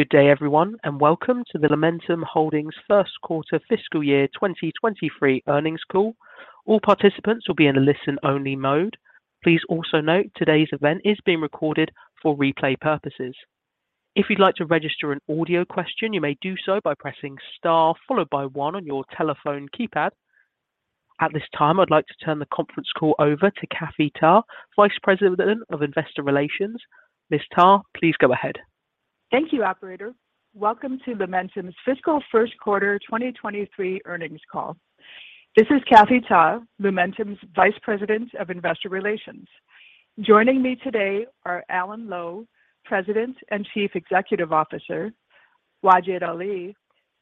Good day everyone, and welcome to the Lumentum Holdings first quarter fiscal year 2023 earnings call. All participants will be in a listen-only mode. Please also note today's event is being recorded for replay purposes. If you'd like to register an audio question, you may do so by pressing star followed by one on your telephone keypad. At this time, I'd like to turn the conference call over to Kathy Ta, Vice President of Investor Relations. Ms. Ta, please go ahead. Thank you, operator. Welcome to Lumentum's fiscal first quarter 2023 earnings call. This is Kathy Ta, Lumentum's Vice President of Investor Relations. Joining me today are Alan Lowe, President and Chief Executive Officer, Wajid Ali,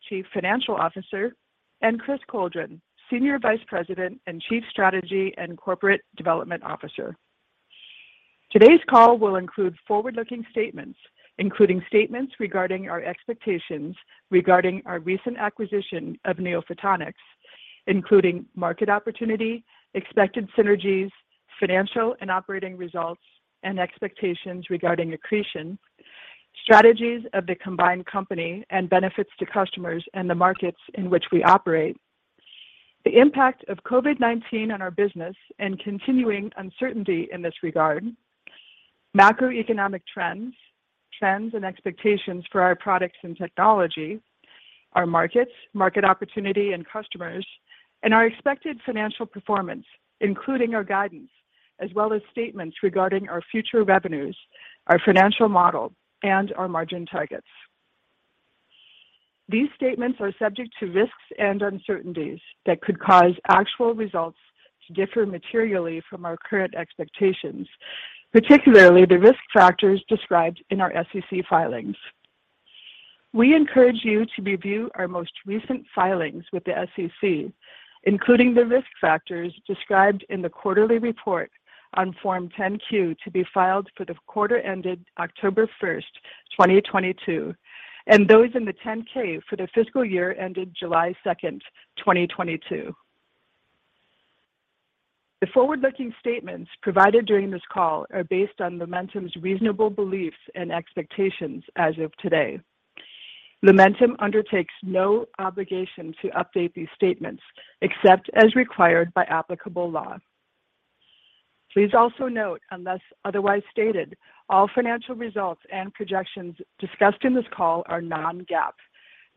Chief Financial Officer, and Chris Coldren, Senior Vice President and Chief Strategy and Corporate Development Officer. Today's call will include forward-looking statements, including statements regarding our expectations regarding our recent acquisition of NeoPhotonics, including market opportunity, expected synergies, financial and operating results, and expectations regarding accretion, strategies of the combined company, and benefits to customers and the markets in which we operate. The impact of COVID-19 on our business and continuing uncertainty in this regard, macroeconomic trends and expectations for our products and technology, our markets, market opportunity and customers, and our expected financial performance, including our guidance, as well as statements regarding our future revenues, our financial model, and our margin targets. These statements are subject to risks and uncertainties that could cause actual results to differ materially from our current expectations, particularly the risk factors described in our SEC filings. We encourage you to review our most recent filings with the SEC, including the risk factors described in the quarterly report on Form 10-Q to be filed for the quarter ended October 1, 2022, and those in the 10-K for the fiscal year ended July 2nd, 2022. The forward-looking statements provided during this call are based on Lumentum's reasonable beliefs and expectations as of today. Lumentum undertakes no obligation to update these statements except as required by applicable law. Please also note, unless otherwise stated, all financial results and projections discussed in this call are non-GAAP.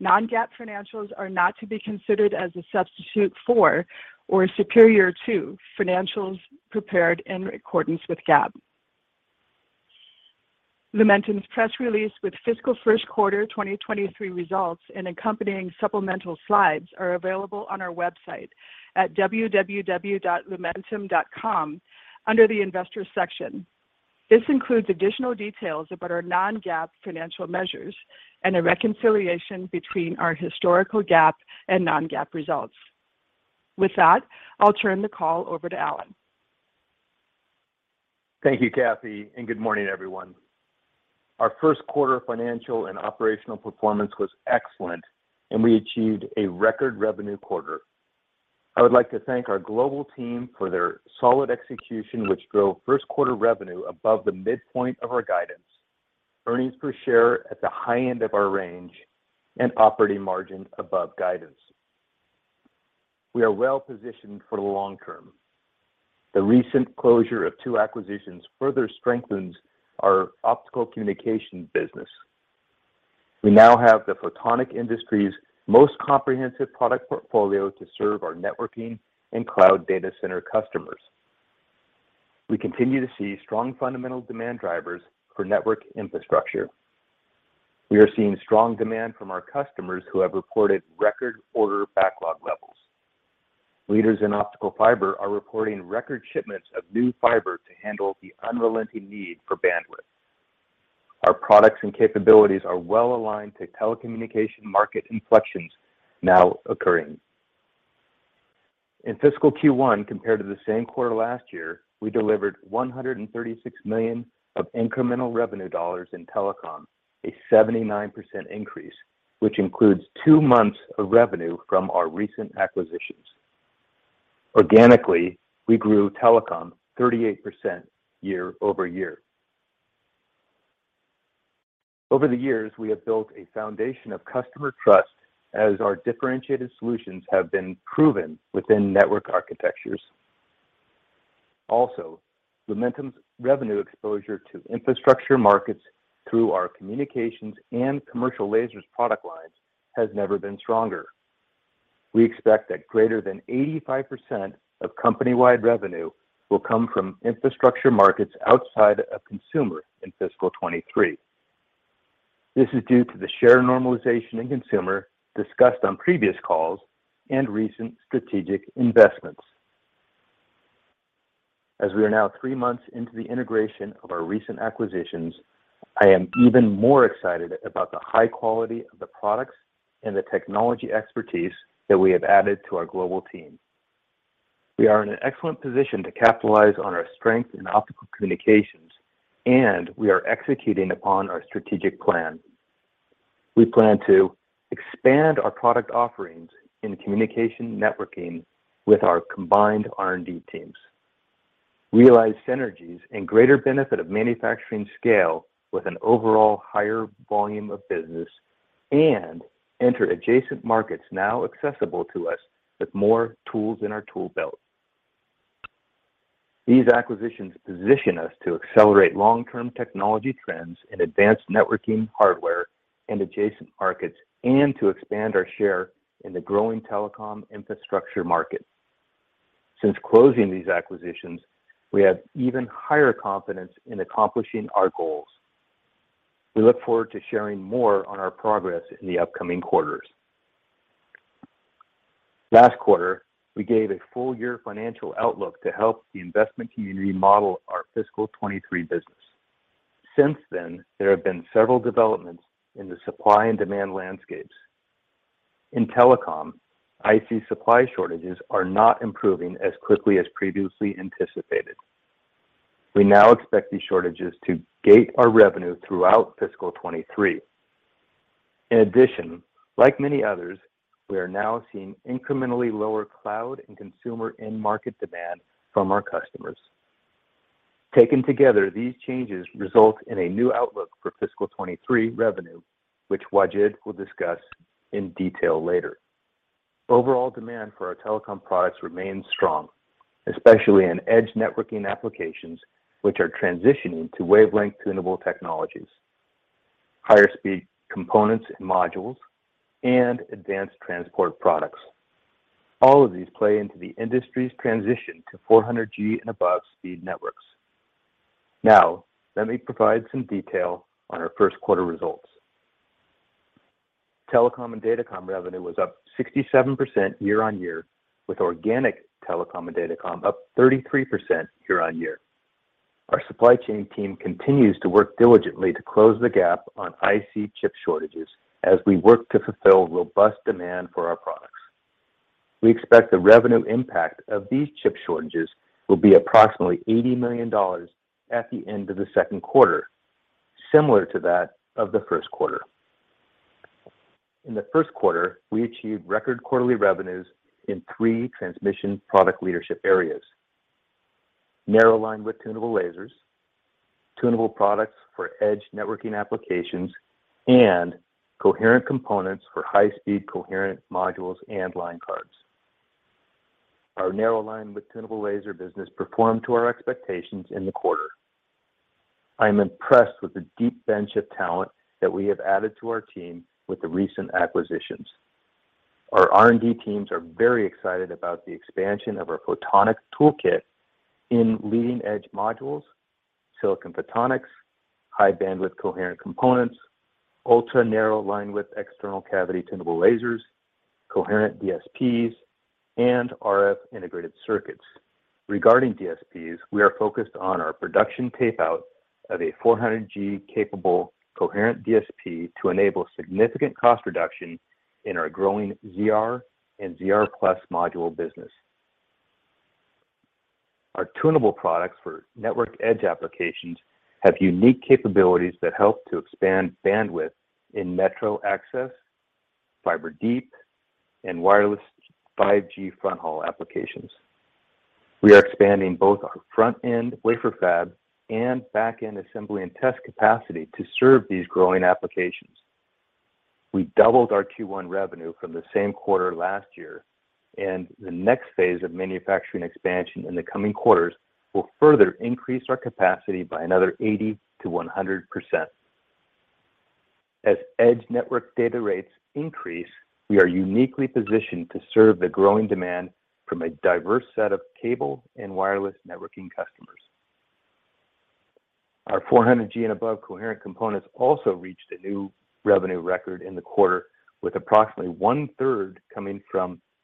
Non-GAAP financials are not to be considered as a substitute for or superior to financials prepared in accordance with GAAP. Lumentum's press release with fiscal first quarter 2023 results and accompanying supplemental slides are available on our website at www.lumentum.com under the Investors section. This includes additional details about our non-GAAP financial measures and a reconciliation between our historical GAAP and non-GAAP results. With that, I'll turn the call over to Alan. Thank you, Kathy, and good morning everyone. Our first quarter financial and operational performance was excellent, and we achieved a record revenue quarter. I would like to thank our global team for their solid execution which drove first quarter revenue above the midpoint of our guidance, earnings per share at the high end of our range, and operating margin above guidance. We are well-positioned for the long term. The recent closure of two acquisitions further strengthens our optical communication business. We now have the photonic industry's most comprehensive product portfolio to serve our networking and cloud data center customers. We continue to see strong fundamental demand drivers for network infrastructure. We are seeing strong demand from our customers who have reported record order backlog levels. Leaders in optical fiber are reporting record shipments of new fiber to handle the unrelenting need for bandwidth. Our products and capabilities are well-aligned to telecommunication market inflections now occurring. In fiscal Q1, compared to the same quarter last year, we delivered $136 million of incremental revenue in telecom, a 79% increase, which includes two months of revenue from our recent acquisitions. Organically, we grew telecom 38% year-over-year. Over the years, we have built a foundation of customer trust as our differentiated solutions have been proven within network architectures. Also, Lumentum's revenue exposure to infrastructure markets through our communications and commercial lasers product lines has never been stronger. We expect that greater than 85% of company-wide revenue will come from infrastructure markets outside of consumer in fiscal 2023. This is due to the share normalization in consumer discussed on previous calls and recent strategic investments. As we are now three months into the integration of our recent acquisitions, I am even more excited about the high quality of the products and the technology expertise that we have added to our global team. We are in an excellent position to capitalize on our strength in optical communications, and we are executing upon our strategic plan. We plan to expand our product offerings in communication networking with our combined R&D teams, realize synergies and greater benefit of manufacturing scale with an overall higher volume of business and enter adjacent markets now accessible to us with more tools in our tool belt. These acquisitions position us to accelerate long-term technology trends in advanced networking hardware and adjacent markets, and to expand our share in the growing telecom infrastructure market. Since closing these acquisitions, we have even higher confidence in accomplishing our goals. We look forward to sharing more on our progress in the upcoming quarters. Last quarter, we gave a full year financial outlook to help the investment community model our fiscal 2023 business. Since then, there have been several developments in the supply and demand landscapes. In telecom, IC supply shortages are not improving as quickly as previously anticipated. We now expect these shortages to gate our revenue throughout fiscal 2023. In addition, like many others, we are now seeing incrementally lower cloud and consumer end market demand from our customers. Taken together, these changes result in a new outlook for fiscal 2023 revenue, which Wajid will discuss in detail later. Overall demand for our telecom products remains strong, especially in edge networking applications which are transitioning to wavelength tunable technologies, higher speed components and modules, and advanced transport products. All of these play into the industry's transition to 400G and above speed networks. Now, let me provide some detail on our first quarter results. Telecom and Datacom revenue was up 67% year-on-year, with organic Telecom and Datacom up 33% year-on-year. Our supply chain team continues to work diligently to close the gap on IC chip shortages as we work to fulfill robust demand for our products. We expect the revenue impact of these chip shortages will be approximately $80 million at the end of the second quarter, similar to that of the first quarter. In the first quarter, we achieved record quarterly revenues in three transmission product leadership areas, narrow-linewidth tunable lasers, tunable products for edge networking applications, and coherent components for high-speed coherent modules and line cards. Our narrow-linewidth tunable laser business performed to our expectations in the quarter. I am impressed with the deep bench of talent that we have added to our team with the recent acquisitions. Our R&D teams are very excited about the expansion of our photonic toolkit in leading edge modules, silicon photonics, high bandwidth coherent components, ultra-narrow linewidth external cavity tunable lasers, coherent DSPs, and RF integrated circuits. Regarding DSPs, we are focused on our production tapeout of a 400G capable coherent DSP to enable significant cost reduction in our growing ZR and ZR+ module business. Our tunable products for network edge applications have unique capabilities that help to expand bandwidth in metro access, fiber deep, and wireless 5G fronthaul applications. We are expanding both our front-end wafer fab and back-end assembly and test capacity to serve these growing applications. We doubled our Q1 revenue from the same quarter last year, and the next phase of manufacturing expansion in the coming quarters will further increase our capacity by another 80%-100%. As edge network data rates increase, we are uniquely positioned to serve the growing demand from a diverse set of cable and wireless networking customers. Our 400G and above coherent components also reached a new revenue record in the quarter, with approximately 1/3 coming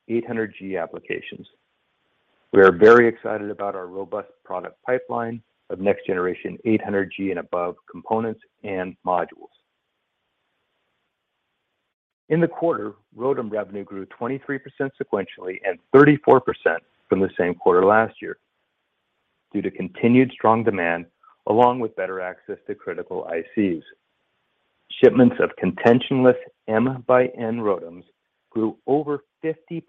from 800G applications. We are very excited about our robust product pipeline of next generation 800G and above components and modules. In the quarter, ROADM revenue grew 23% sequentially and 34% from the same quarter last year due to continued strong demand along with better access to critical ICs. Shipments of contentionless MxN ROADMs grew over 50%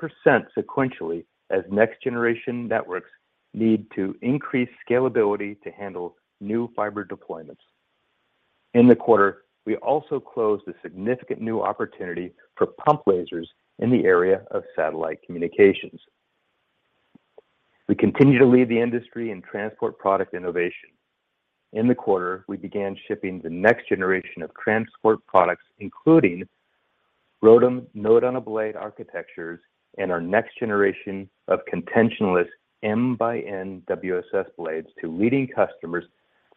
sequentially as next generation networks need to increase scalability to handle new fiber deployments. In the quarter, we also closed a significant new opportunity for pump lasers in the area of satellite communications. We continue to lead the industry in transport product innovation. In the quarter, we began shipping the next generation of transport products, including ROADM Node-on-a-Blade architectures and our next generation of contentionless MxN WSS blades to leading customers,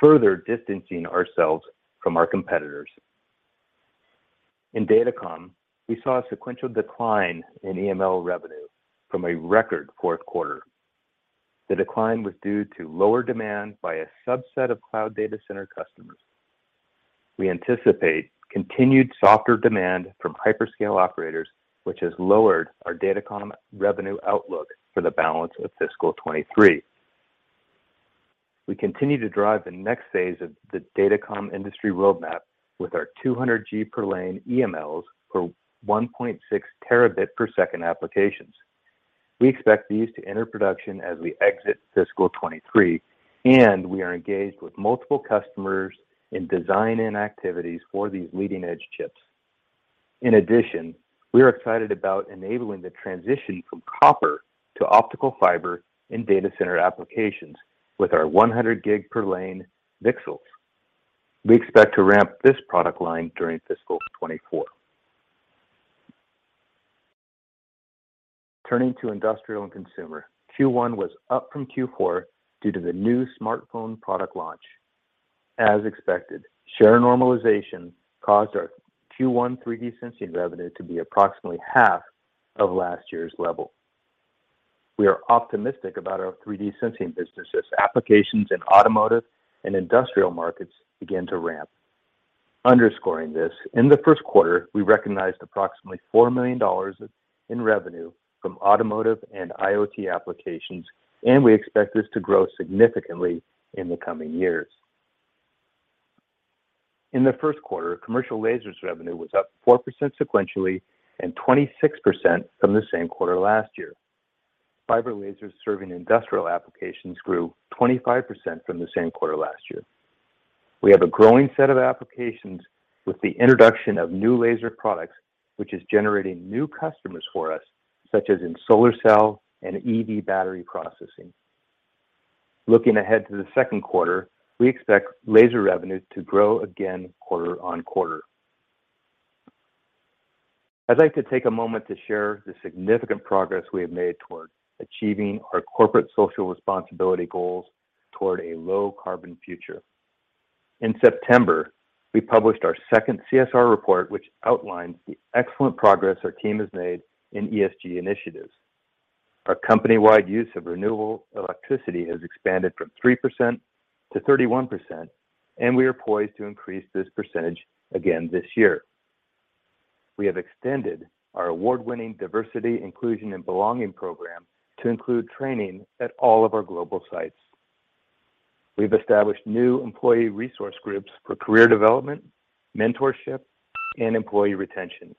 further distancing ourselves from our competitors. In Datacom, we saw a sequential decline in EML revenue from a record fourth quarter. The decline was due to lower demand by a subset of cloud data center customers. We anticipate continued softer demand from hyperscale operators, which has lowered our Datacom revenue outlook for the balance of fiscal 2023. We continue to drive the next phase of the Datacom industry roadmap with our 200G per lane EMLs for 1.6 TB per second applications. We expect these to enter production as we exit fiscal 2023, and we are engaged with multiple customers in design and activities for these leading-edge chips. In addition, we are excited about enabling the transition from copper to optical fiber in data center applications with our 100G per lane VCSELs. We expect to ramp this product line during fiscal 2024. Turning to industrial and consumer, Q1 was up from Q4 due to the new smartphone product launch. As expected, share normalization caused our Q1 3D sensing revenue to be approximately half of last year's level. We are optimistic about our 3D sensing businesses. Applications in automotive and industrial markets begin to ramp. Underscoring this, in the first quarter, we recognized approximately $4 million in revenue from automotive and IoT applications, and we expect this to grow significantly in the coming years. In the first quarter, commercial lasers revenue was up 4% sequentially and 26% from the same quarter last year. Fiber lasers serving industrial applications grew 25% from the same quarter last year. We have a growing set of applications with the introduction of new laser products, which is generating new customers for us, such as in solar cell and EV battery processing. Looking ahead to the second quarter, we expect laser revenue to grow again quarter-over-quarter. I'd like to take a moment to share the significant progress we have made towards achieving our corporate social responsibility goals toward a low carbon future. In September, we published our second CSR report, which outlines the excellent progress our team has made in ESG initiatives. Our company-wide use of renewable electricity has expanded from 3%-31%, and we are poised to increase this percentage again this year. We have extended our award-winning Diversity, Inclusion, and Belonging program to include training at all of our global sites. We've established new employee resource groups for career development, mentorship, and employee retention.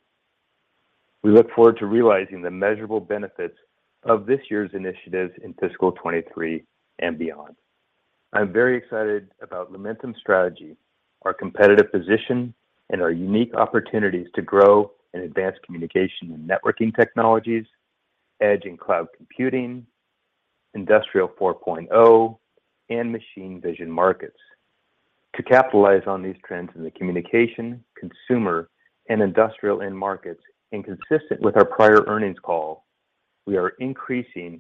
We look forward to realizing the measurable benefits of this year's initiatives in fiscal 2023 and beyond. I'm very excited about Lumentum's strategy, our competitive position, and our unique opportunities to grow in advanced communication and networking technologies, edge and cloud computing, Industry 4.0, and machine vision markets. To capitalize on these trends in the communication, consumer, and industrial end markets, and consistent with our prior earnings call, we are increasing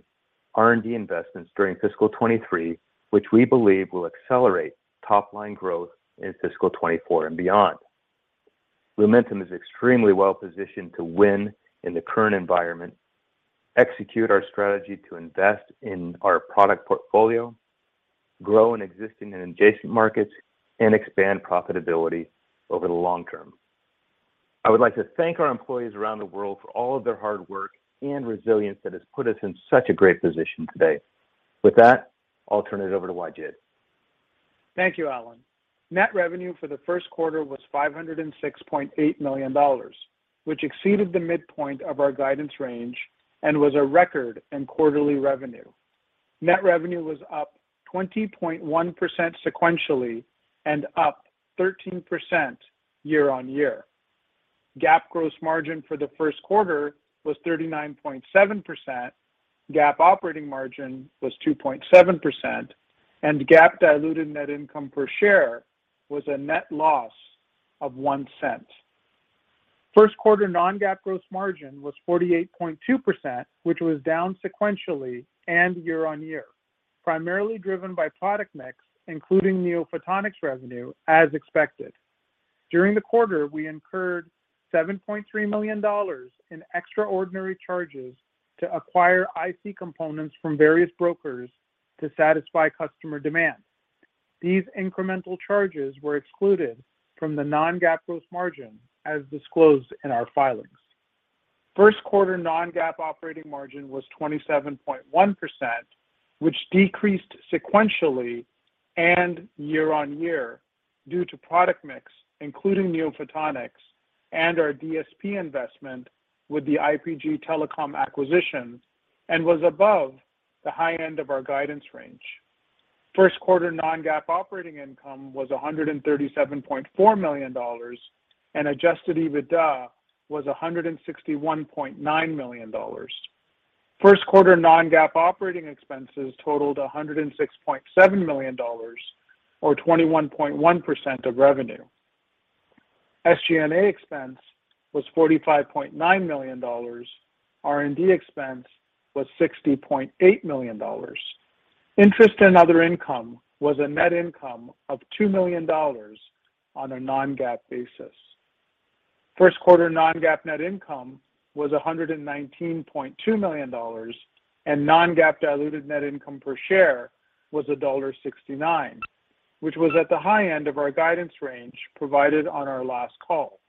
R&D investments during fiscal 2023, which we believe will accelerate top-line growth in fiscal 2024 and beyond. Lumentum is extremely well-positioned to win in the current environment, execute our strategy to invest in our product portfolio, grow in existing and adjacent markets, and expand profitability over the long term. I would like to thank our employees around the world for all of their hard work and resilience that has put us in such a great position today. With that, I'll turn it over to Wajid. Thank you, Alan. Net revenue for the first quarter was $506.8 million, which exceeded the midpoint of our guidance range and was a record in quarterly revenue. Net revenue was up 20.1% sequentially and up 13% year-over-year. GAAP gross margin for the first quarter was 39.7%, GAAP operating margin was 2.7%, and GAAP diluted net income per share was a net loss of $0.01. First quarter non-GAAP gross margin was 48.2%, which was down sequentially and year-over-year, primarily driven by product mix, including NeoPhotonics revenue, as expected. During the quarter, we incurred $7.3 million in extraordinary charges to acquire IC components from various brokers to satisfy customer demand. These incremental charges were excluded from the non-GAAP gross margin, as disclosed in our filings. First quarter non-GAAP operating margin was 27.1%, which decreased sequentially and year-over-year due to product mix, including NeoPhotonics and our DSP investment with the IPG Photonics' telecom acquisition, and was above the high end of our guidance range. First quarter non-GAAP operating income was $137.4 million, and adjusted EBITDA was $161.9 million. First quarter non-GAAP operating expenses totaled $106.7 million or 21.1% of revenue. SG&A expense was $45.9 million. R&D expense was $60.8 million. Interest and other income was a net income of $2 million on a non-GAAP basis. First quarter non-GAAP net income was $119.2 million, and non-GAAP diluted net income per share was $1.69, which was at the high end of our guidance range provided on our last call.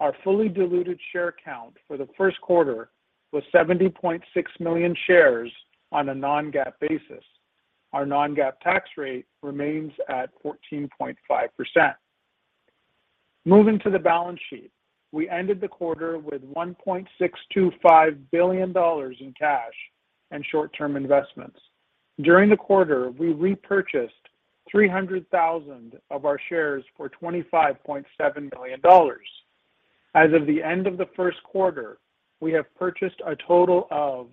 Our fully diluted share count for the first quarter was 70.6 million shares on a non-GAAP basis. Our non-GAAP tax rate remains at 14.5%. Moving to the balance sheet, we ended the quarter with $1.625 billion in cash and short-term investments. During the quarter, we repurchased 300,000 of our shares for $25.7 million. As of the end of the first quarter, we have purchased a total of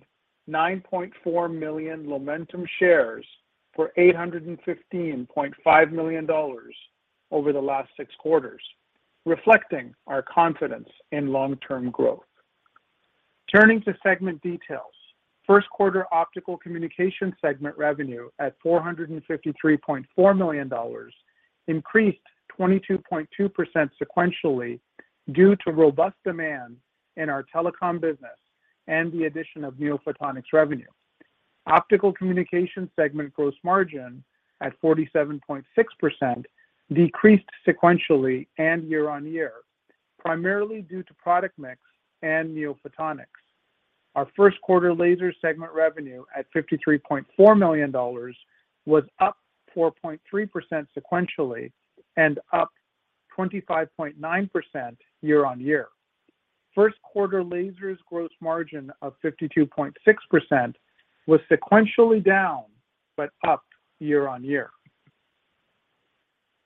9.4 million Lumentum shares for $815.5 million over the last six quarters, reflecting our confidence in long-term growth. Turning to segment details. First quarter optical communication segment revenue at $453.4 million increased 22.2% sequentially due to robust demand in our telecom business and the addition of NeoPhotonics revenue. Optical communication segment gross margin at 47.6% decreased sequentially and year-over-year, primarily due to product mix and NeoPhotonics. Our first quarter laser segment revenue at $53.4 million was up 4.3% sequentially and up 25.9% year-over-year. First quarter lasers gross margin of 52.6% was sequentially down but up year-over-year.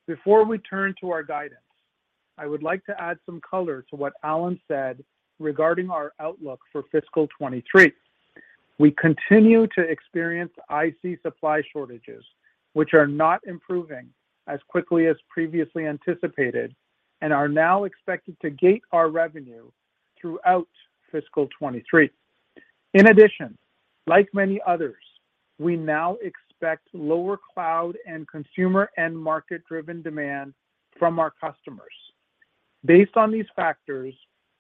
Before we turn to our guidance, I would like to add some color to what Alan said regarding our outlook for fiscal 2023. We continue to experience IC supply shortages, which are not improving as quickly as previously anticipated and are now expected to gate our revenue throughout fiscal 2023. In addition, like many others, we now expect lower cloud and consumer end market-driven demand from our customers. Based on these factors,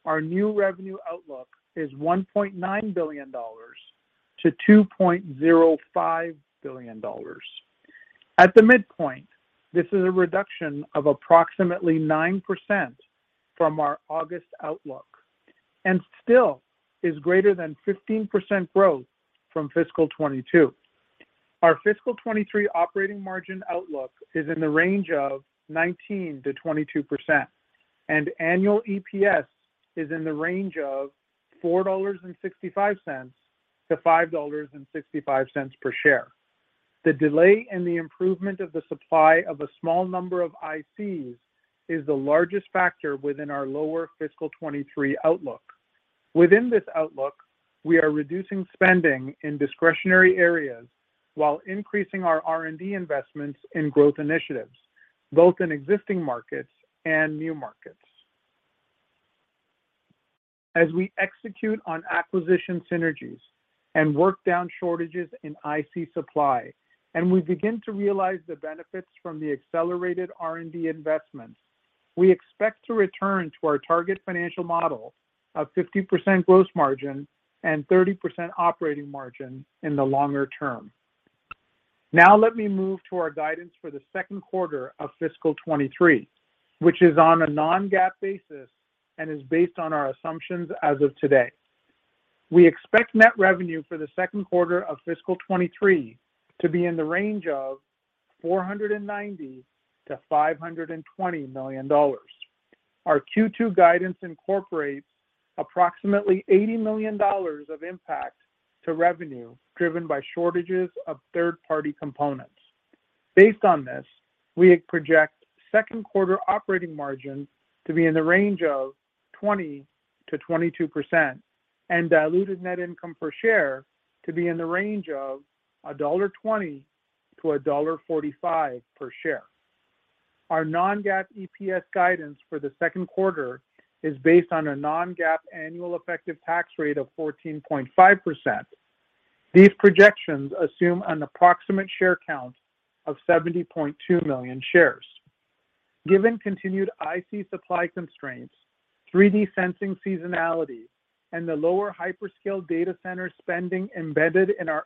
our new revenue outlook is $1.9 billion-$2.05 billion. At the midpoint, this is a reduction of approximately 9% from our August outlook, and still is greater than 15% growth from fiscal 2022. Our fiscal 2023 operating margin outlook is in the range of 19%-22%, and annual EPS is in the range of $4.65-$5.65 per share. The delay in the improvement of the supply of a small number of ICs is the largest factor within our lower fiscal 2023 outlook. Within this outlook, we are reducing spending in discretionary areas while increasing our R&D investments in growth initiatives, both in existing markets and new markets. As we execute on acquisition synergies and work down shortages in IC supply, and we begin to realize the benefits from the accelerated R&D investments, we expect to return to our target financial model of 50% gross margin and 30% operating margin in the longer term. Now let me move to our guidance for the second quarter of fiscal 2023, which is on a non-GAAP basis and is based on our assumptions as of today. We expect net revenue for the second quarter of fiscal 2023 to be in the range of $490 million-$520 million. Our Q2 guidance incorporates approximately $80 million of impact to revenue, driven by shortages of third-party components. Based on this, we project second quarter operating margin to be in the range of 20%-22% and diluted net income per share to be in the range of $1.20-$1.45 per share. Our non-GAAP EPS guidance for the second quarter is based on a non-GAAP annual effective tax rate of 14.5%. These projections assume an approximate share count of 70.2 million shares. Given continued IC supply constraints, 3D sensing seasonality, and the lower hyperscale data center spending embedded in our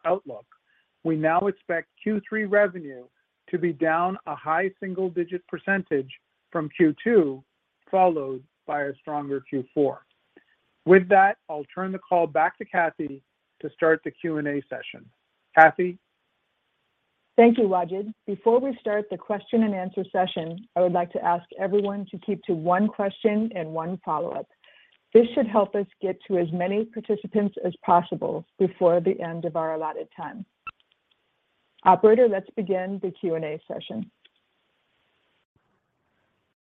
outlook, we now expect Q3 revenue to be down a high single-digit percentage from Q2, followed by a stronger Q4. With that, I'll turn the call back to Kathy to start the Q&A session. Kathy? Thank you, Wajid. Before we start the question and answer session, I would like to ask everyone to keep to one question and one follow-up. This should help us get to as many participants as possible before the end of our allotted time. Operator, let's begin the Q&A session.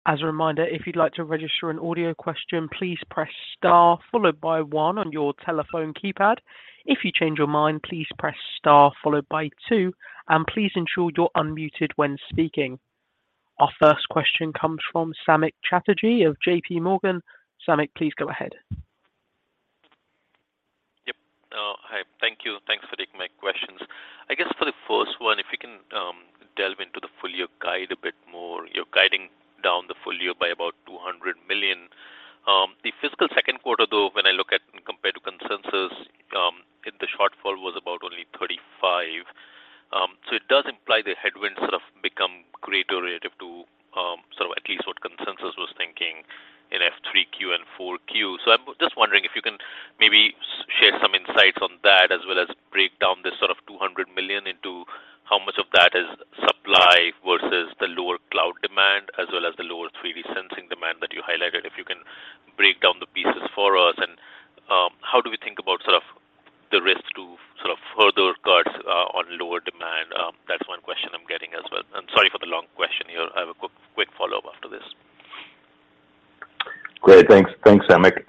As a reminder, if you'd like to register an audio question, please press star followed by one on your telephone keypad. If you change your mind, please press star followed by two, and please ensure you're unmuted when speaking. Our first question comes from Samik Chatterjee of JPMorgan. Samik, please go ahead. Yep. Hi. Thank you. Thanks for taking my questions. I guess for the first one, if you can, delve into the full-year guide a bit more. You're guiding down the full year by about $200 million. The fiscal second quarter, though, when I look at compared consensus, the shortfall was about only $35 million. It does imply the headwinds sort of become greater relative to, sort of, the case of consensus was thinking in Q3 and Q4. I'm just wondering if you can maybe share some insights on that as well as break down this sort of $200 million into how much of that is supply versus the lower cloud demand as well as the lower 3D sensing demand that you highlighted. If you can break down the pieces for us and how do we think about sort of the risk to sort of further cuts on lower demand? That's one question I'm getting as well. Sorry for the long question here. I have a quick follow-up after this. Great. Thanks. Thanks, Samik.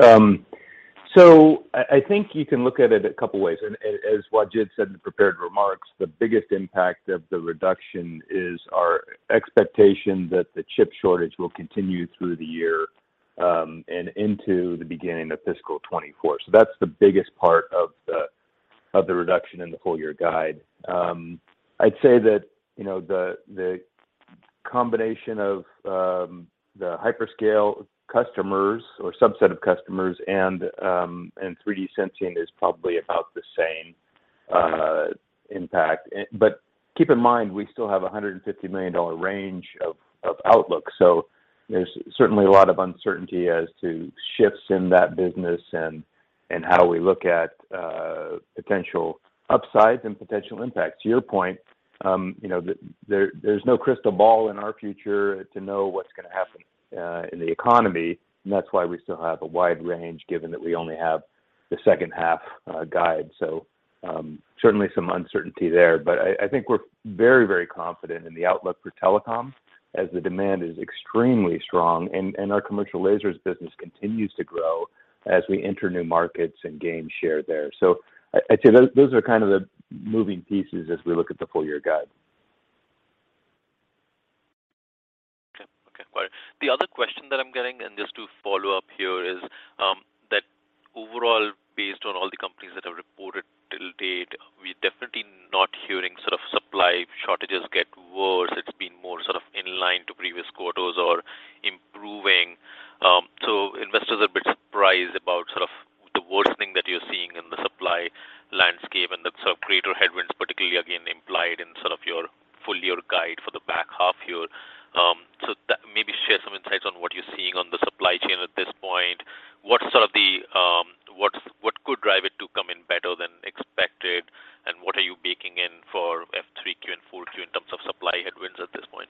I think you can look at it a couple ways. As Wajid said in the prepared remarks, the biggest impact of the reduction is our expectation that the chip shortage will continue through the year and into the beginning of fiscal 2024. That's the biggest part of the reduction in the full year guide. I'd say that, you know, the combination of the hyperscale customers or subset of customers and 3D sensing is probably about the same impact. Keep in mind, we still have a $150 million range of outlook. There's certainly a lot of uncertainty as to shifts in that business and how we look at potential upsides and potential impacts. To your point, you know, there's no crystal ball in our future to know what's gonna happen in the economy, and that's why we still have a wide range given that we only have the second half guide. Certainly some uncertainty there, but I think we're very confident in the outlook for telecom as the demand is extremely strong and our commercial lasers business continues to grow as we enter new markets and gain share there. I'd say those are kind of the moving pieces as we look at the full-year guide. Okay. Got it. The other question that I'm getting, and just to follow up here, is that overall, based on all the companies that have reported to date, we're definitely not hearing sort of supply shortages get worse. It's been more sort of in line with previous quarters or improving. So investors are a bit surprised about sort of the worsening that you're seeing in the supply landscape and the sort of greater headwinds, particularly again implied in sort of your full year guide for the back half year. So, maybe share some insights on what you're seeing on the supply chain at this point. What could drive it to come in better than expected, and what are you baking in for fiscal 3Q and 4Q in terms of supply headwinds at this point?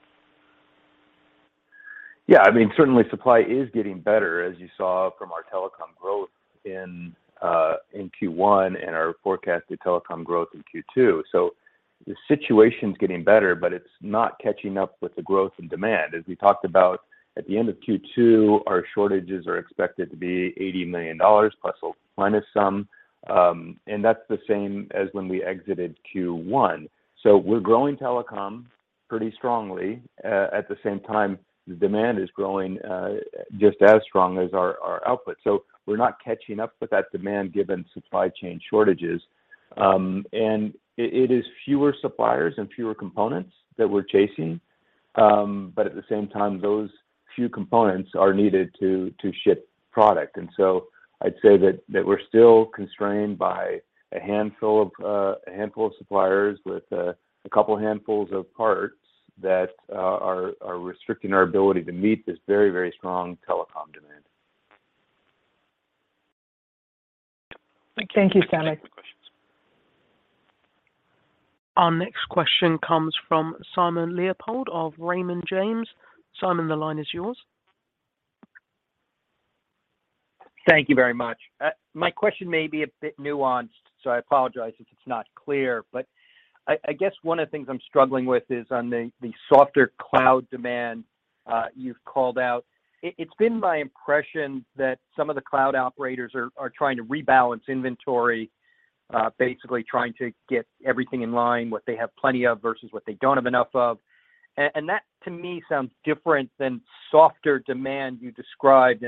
Yeah, I mean, certainly supply is getting better, as you saw from our telecom growth in Q1 and our forecasted telecom growth in Q2. The situation's getting better, but it's not catching up with the growth and demand. As we talked about at the end of Q2, our shortages are expected to be $80 million plus or minus some, and that's the same as when we exited Q1. We're growing telecom pretty strongly. At the same time, the demand is growing just as strong as our output. We're not catching up with that demand given supply chain shortages. It is fewer suppliers and fewer components that we're chasing. But at the same time, those few components are needed to ship product. I'd say that we're still constrained by a handful of suppliers with a couple handfuls of parts that are restricting our ability to meet this very, very strong telecom demand. Thank you. Thank you, Samik. I appreciate it. Our next question comes from Simon Leopold of Raymond James. Simon, the line is yours. Thank you very much. My question may be a bit nuanced, so I apologize if it's not clear. I guess one of the things I'm struggling with is on the softer cloud demand you've called out. It's been my impression that some of the cloud operators are trying to rebalance inventory, basically trying to get everything in line, what they have plenty of versus what they don't have enough of. That to me sounds different than softer demand you described.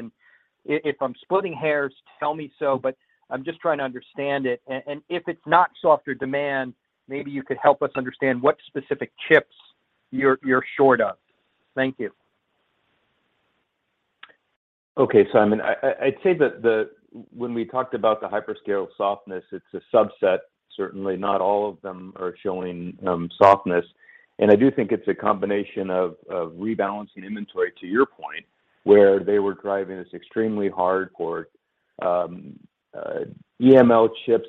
If I'm splitting hairs, tell me so, but I'm just trying to understand it. If it's not softer demand, maybe you could help us understand what specific chips you're short of? Thank you. Okay, Simon. I'd say that when we talked about the hyperscale softness, it's a subset. Certainly not all of them are showing softness. I do think it's a combination of rebalancing inventory, to your point, where they were driving this extremely hard for EML chips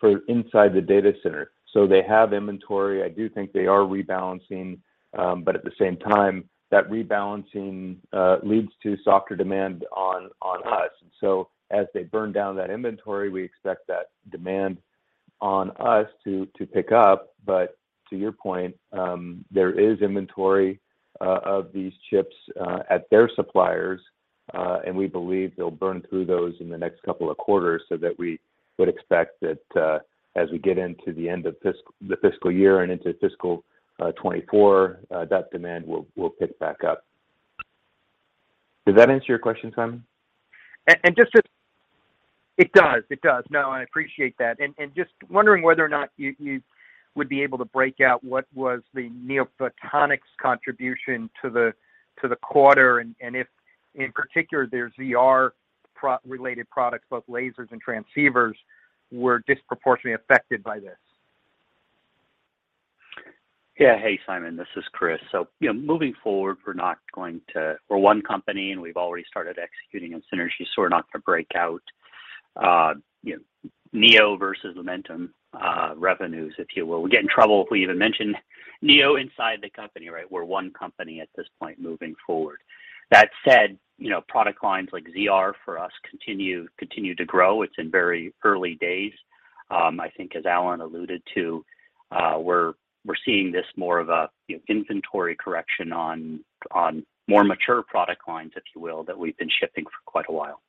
for inside the data center. They have inventory. I do think they are rebalancing, but at the same time, that rebalancing leads to softer demand on us. As they burn down that inventory, we expect that demand on us to pick up. To your point, there is inventory of these chips at their suppliers, and we believe they'll burn through those in the next couple of quarters so that we would expect that, as we get into the end of the fiscal year and into fiscal 2024, that demand will pick back up. Does that answer your question, Simon? It does. No, I appreciate that. Just wondering whether or not you would be able to break out what was the NeoPhotonics contribution to the quarter and if in particular their ZR+-related products, both lasers and transceivers, were disproportionately affected by this. Yeah. Hey, Simon, this is Chris. You know, moving forward, we're not going to. We're one company, and we've already started executing on synergies, so we're not gonna break out, you know, NeoPhotonics versus Lumentum revenues, if you will. We get in trouble if we even mention NeoPhotonics inside the company, right? We're one company at this point moving forward. That said, you know, product lines like ZR for us continue to grow. It's in very early days. I think as Alan alluded to, we're seeing this more of a, you know, inventory correction on more mature product lines, if you will, that we've been shipping for quite a while.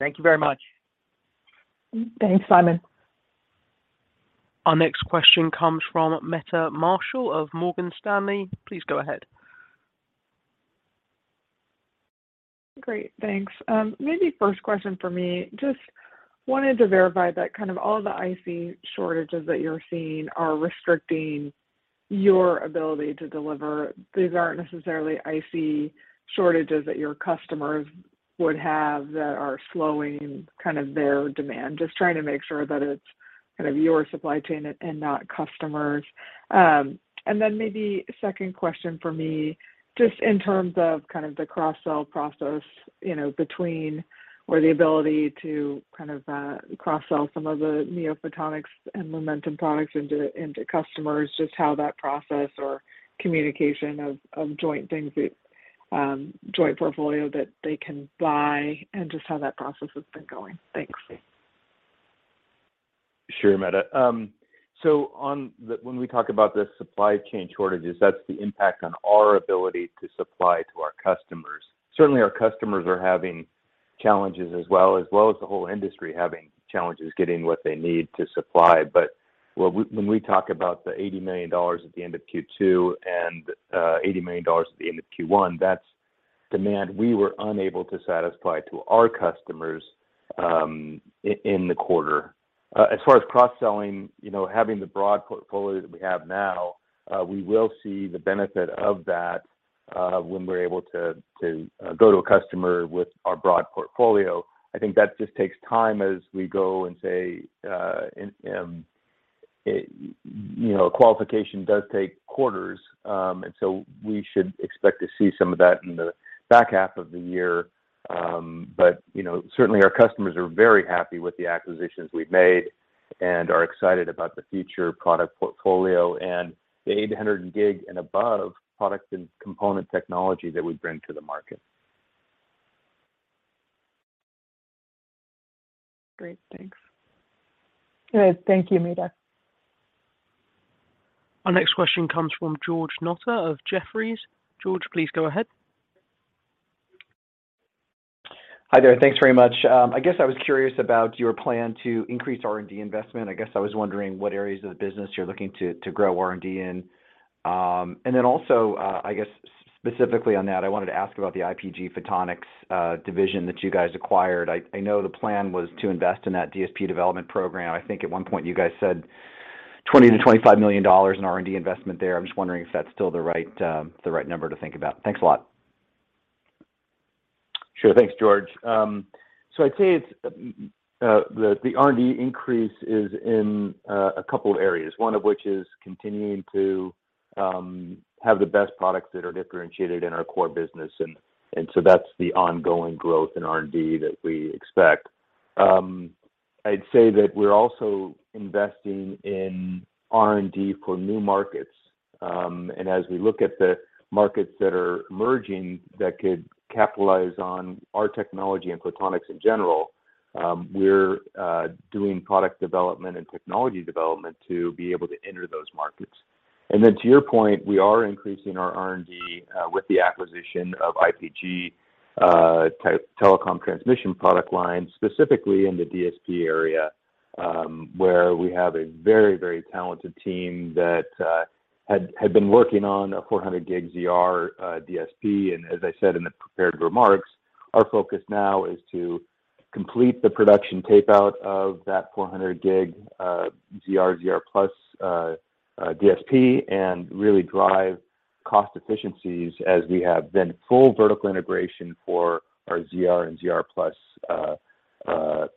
Thank you very much. Thanks, Simon. Our next question comes from Meta Marshall of Morgan Stanley. Please go ahead. Great. Thanks. Maybe first question for me, just wanted to verify that kind of all the IC shortages that you're seeing are restricting your ability to deliver. These aren't necessarily IC shortages that your customers would have that are slowing kind of their demand. Just trying to make sure that it's kind of your supply chain and not customers. Maybe second question from me, just in terms of kind of the cross-sell process, you know, between or the ability to kind of cross-sell some of the NeoPhotonics and Lumentum products into customers, just how that process or communication of joint things, that joint portfolio, that they can buy and just how that process has been going. Thanks. Sure, Meta. So when we talk about the supply chain shortages, that's the impact on our ability to supply to our customers. Certainly, our customers are having challenges as well, as well as the whole industry having challenges getting what they need to supply. When we talk about the $80 million at the end of Q2 and $80 million at the end of Q1, that's demand we were unable to satisfy to our customers in the quarter. As far as cross-selling, you know, having the broad portfolio that we have now, we will see the benefit of that when we're able to go to a customer with our broad portfolio. I think that just takes time as we go and say, and you know, qualification does take quarters. We should expect to see some of that in the back half of the year. You know, certainly our customers are very happy with the acquisitions we've made and are excited about the future product portfolio and the 800G and above product and component technology that we bring to the market. Great. Thanks. All right. Thank you, Meta. Our next question comes from George Notter of Jefferies. George, please go ahead. Hi there. Thanks very much. I guess I was curious about your plan to increase R&D investment. I guess I was wondering what areas of the business you're looking to grow R&D in. And then also, I guess specifically on that, I wanted to ask about the IPG Photonics division that you guys acquired. I know the plan was to invest in that DSP development program. I think at one point you guys said $20 million-$25 million in R&D investment there. I'm just wondering if that's still the right number to think about. Thanks a lot. Sure. Thanks, George. I'd say it's the R&D increase is in a couple of areas, one of which is continuing to have the best products that are differentiated in our core business, and so that's the ongoing growth in R&D that we expect. I'd say that we're also investing in R&D for new markets. As we look at the markets that are emerging that could capitalize on our technology and photonics in general, we're doing product development and technology development to be able to enter those markets. To your point, we are increasing our R&D with the acquisition of IPG telecom transmission product line, specifically in the DSP area, where we have a very talented team that had been working on a 400G ZR DSP. As I said in the prepared remarks, our focus now is to complete the production tape-out of that 400G ZR/ZR+ DSP and really drive cost efficiencies as we have then full vertical integration for our ZR and ZR+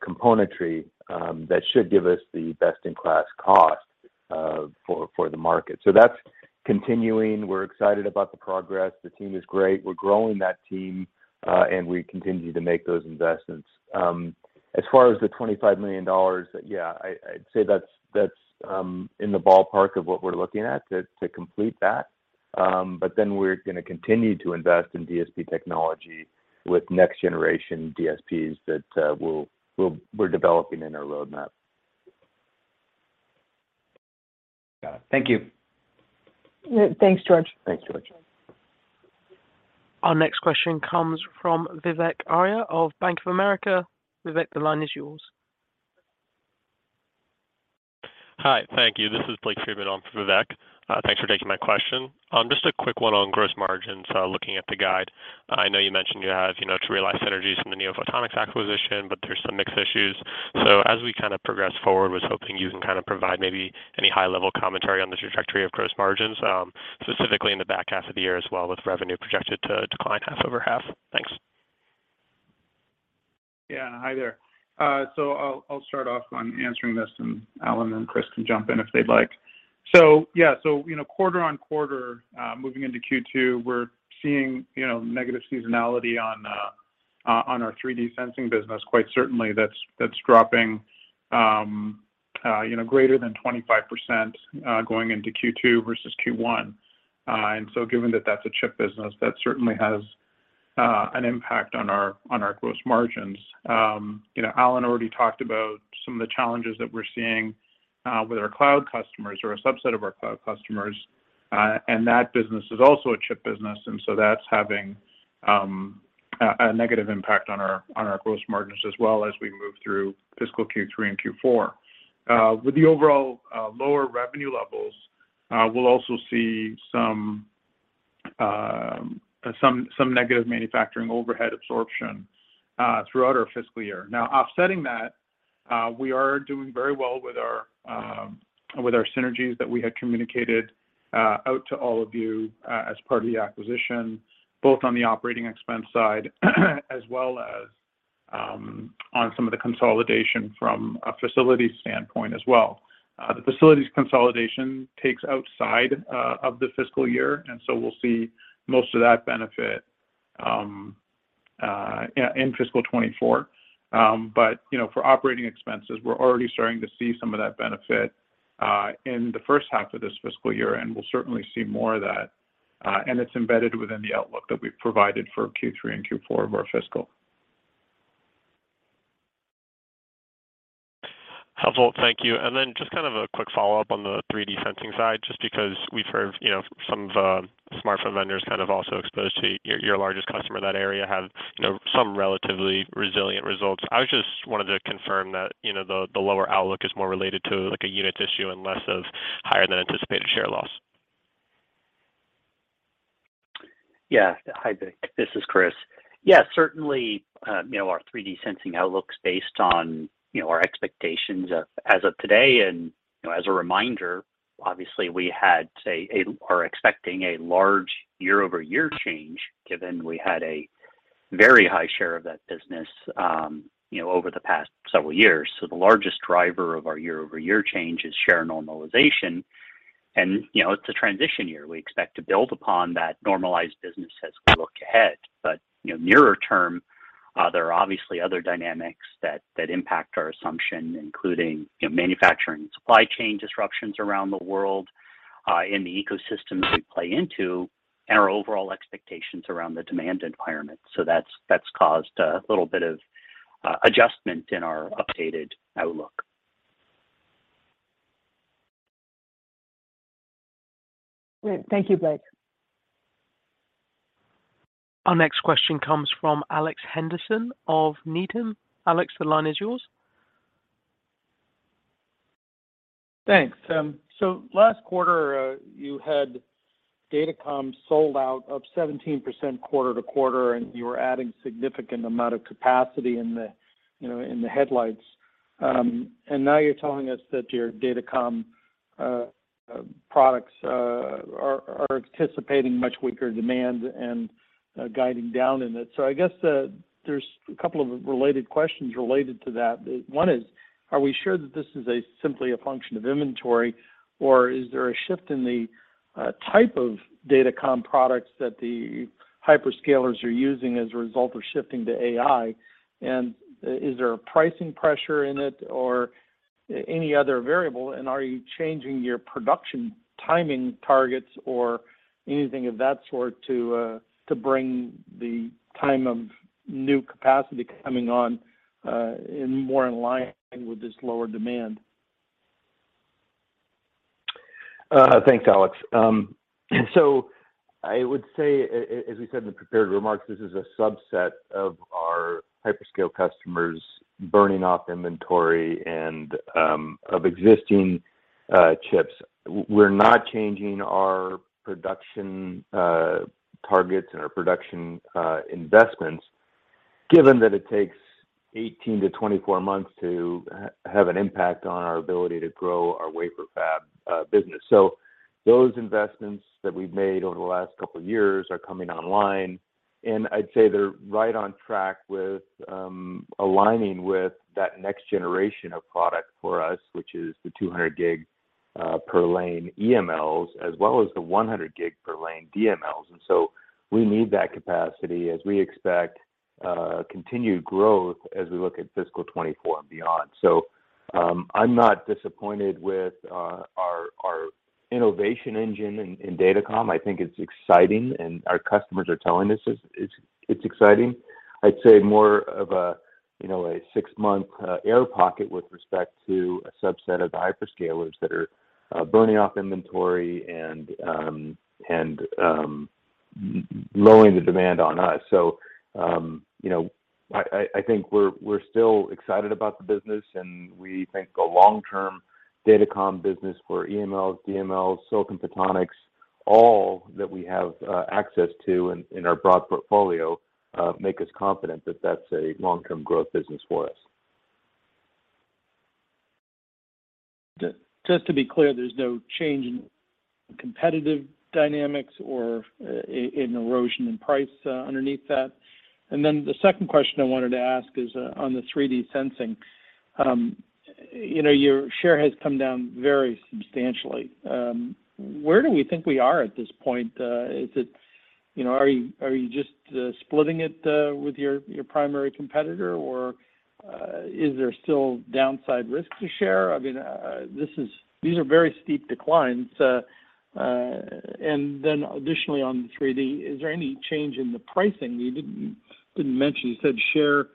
componentry, that should give us the best in class cost for the market. That's continuing. We're excited about the progress. The team is great. We're growing that team, and we continue to make those investments. As far as the $25 million, yeah, I'd say that's in the ballpark of what we're looking at to complete that. But then we're gonna continue to invest in DSP technology with next-generation DSPs that we're developing in our roadmap. Got it. Thank you. Yeah. Thanks, George. Thanks, George. Our next question comes from Vivek Arya of Bank of America. Vivek, the line is yours. Hi, thank you. This is Blake Friedman on for Vivek. Thanks for taking my question. Just a quick one on gross margins, looking at the guide. I know you mentioned you have, you know, to realize synergies from the NeoPhotonics acquisition, but there's some mixed issues. So as we kind of progress forward, I was hoping you can kind of provide maybe any high-level commentary on the trajectory of gross margins, specifically in the back half of the year as well, with revenue projected to decline half-over-half. Thanks. Yeah. Hi there. I'll start off on answering this, and Alan and Chris can jump in if they'd like. Yeah. You know, quarter-over-quarter, moving into Q2, we're seeing, you know, negative seasonality on our 3D sensing business. Quite certainly that's dropping, you know, greater than 25%, going into Q2 versus Q1. Given that that's a chip business, that certainly has an impact on our gross margins. You know, Alan already talked about some of the challenges that we're seeing with our cloud customers or a subset of our cloud customers, and that business is also a chip business, and so that's having a negative impact on our gross margins as well as we move through fiscal Q3 and Q4. With the overall lower revenue levels, we'll also see some negative manufacturing overhead absorption throughout our fiscal year. Now offsetting that, we are doing very well with our synergies that we had communicated out to all of you as part of the acquisition, both on the operating expense side as well as on some of the consolidation from a facilities standpoint as well. The facilities consolidation takes outside of the fiscal year, and so we'll see most of that benefit in fiscal 2024. You know, for operating expenses, we're already starting to see some of that benefit in the first half of this fiscal year, and we'll certainly see more of that, and it's embedded within the outlook that we've provided for Q3 and Q4 of our fiscal. Helpful. Thank you. Just kind of a quick follow-up on the 3D sensing side, just because we've heard, you know, some of the smartphone vendors kind of also exposed to your largest customer in that area have, you know, some relatively resilient results. I just wanted to confirm that, you know, the lower outlook is more related to, like, a unit issue and less of higher than anticipated share loss. Yeah. Hi, Blake. This is Chris. Yeah, certainly, you know, our 3D sensing outlook's based on, you know, our expectations as of today. You know, as a reminder, obviously we are expecting a large year-over-year change given we had a very high share of that business, you know, over the past several years. The largest driver of our year-over-year change is share normalization. You know, it's a transition year. We expect to build upon that normalized business as we look ahead. You know, nearer term, there are obviously other dynamics that impact our assumption including, you know, manufacturing and supply chain disruptions around the world, in the ecosystems we play into and our overall expectations around the demand environment. That's caused a little bit of adjustment in our updated outlook. Great. Thank you, Blake. Our next question comes from Alex Henderson of Needham. Alex, the line is yours. Thanks. Last quarter, you had Datacom sold out up 17% quarter-over-quarter, and you were adding significant amount of capacity in the, you know, in the headwinds. Now you're telling us that your Datacom products are anticipating much weaker demand and guiding down on it. I guess, there's a couple of related questions related to that. One is, are we sure that this is simply a function of inventory, or is there a shift in the type of Datacom products that the hyperscalers are using as a result of shifting to AI? Is there a pricing pressure in it or any other variable? Are you changing your production timing targets or anything of that sort to bring the time of new capacity coming on more in line with this lower demand? Thanks, Alex. So I would say as we said in the prepared remarks, this is a subset of our hyperscale customers burning off inventory and of existing chips. We're not changing our production targets and our production investments given that it takes 18-24 months to have an impact on our ability to grow our wafer fab business. Those investments that we've made over the last couple of years are coming online, and I'd say they're right on track with aligning with that next generation of product for us, which is the 200G per lane EMLs as well as the 100G per lane EMLs. We need that capacity as we expect continued growth as we look at fiscal 2024 and beyond. I'm not disappointed with our innovation engine in Datacom. I think it's exciting, and our customers are telling us it's exciting. I'd say more of a, you know, a six-month air pocket with respect to a subset of the hyperscalers that are burning off inventory. Lowering the demand on us. You know, I think we're still excited about the business, and we think the long-term Datacom business for EMLs, DMLs, silicon photonics, all that we have access to in our broad portfolio make us confident that that's a long-term growth business for us. Just to be clear, there's no change in competitive dynamics or an erosion in price underneath that? The second question I wanted to ask is on the 3D sensing. You know, your share has come down very substantially. Where do we think we are at this point? You know, are you just splitting it with your primary competitor, or is there still downside risk to share? I mean, these are very steep declines. Additionally on the 3D, is there any change in the pricing? You didn't mention. You said share,